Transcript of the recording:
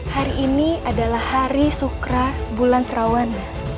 hari ini adalah hari sukra bulan serawan